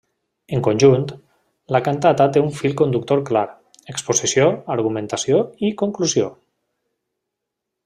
En conjunt, la cantata té un fil conductor clar: exposició, argumentació i conclusió.